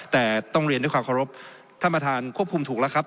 แต่ต้องเรียนด้วยความเคารพท่านประธานควบคุมถูกแล้วครับ